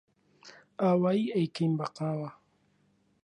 ئاوایی ئەیکەن بە قاو